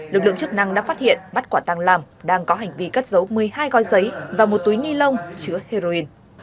lực lượng chức năng đã phát hiện bắt quả tăng lam đang có hành vi cất giấu một mươi hai gói giấy và một túi ni lông chứa heroin